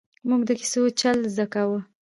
ـ مونږ د کیسو چل زده کاوه!